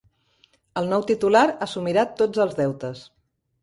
El nou titular assumirà tots els deutes.